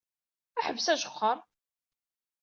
Ḥbes ajexxeṛ.